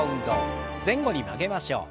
前後に曲げましょう。